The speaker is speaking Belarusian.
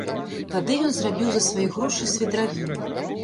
Тады ён зрабіў за свае грошы свідравіну.